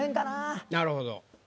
なるほど。